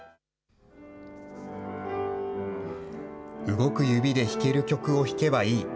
動く指で弾ける曲を弾けばいい。